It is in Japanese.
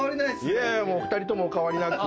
いやいや、２人ともお変わりなく。